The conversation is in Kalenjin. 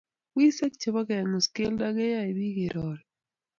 Wiseek che bo kengus kelto koyoe biich kerori.